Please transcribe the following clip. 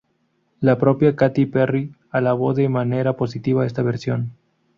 La propia Katy Perry alabó de manera positiva esta versión.